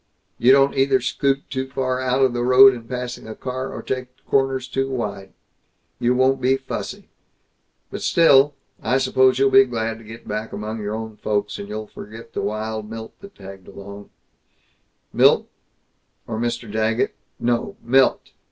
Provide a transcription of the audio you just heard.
You don't either scoot too far out of the road in passing a car, or take corners too wide. You won't be fussy. But still, I suppose you'll be glad to be back among your own folks and you'll forget the wild Milt that tagged along " "Milt or Mr. Daggett no, Milt!